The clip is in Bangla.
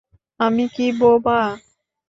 আমি কি বোবা?